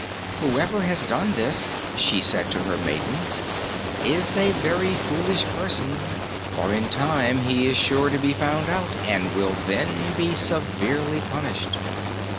"Whoever has done this," she said to her maidens, "is a very foolish person, for in time he is sure to be found out and will then be severely punished."